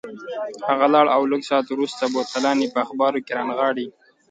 هغه ولاړ او لږ ساعت وروسته بوتلان یې په اخبارو کې رانغاړلي.